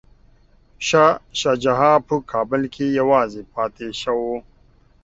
شاه شجاع په کابل کي یوازې پاتې شو.